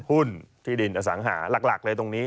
หุ้นที่ดินอสังหาหลักเลยตรงนี้